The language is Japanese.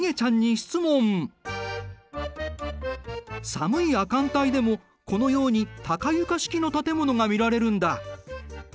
寒い亜寒帯でもこのように高床式の建物が見られるんだ。